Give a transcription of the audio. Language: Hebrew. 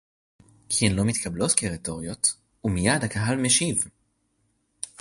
כי הן לא מתקבלות כרטוריות ומייד הקהל משיב